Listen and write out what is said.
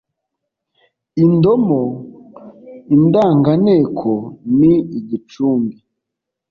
indomo indanganteko ni igicumbi